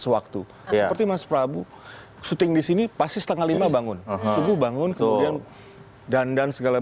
sewaktu ya tapi mas prabu syuting disini pasti setengah lima bangun bangun ke dan dan segala